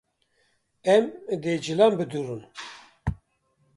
Em dê cilan bidirûn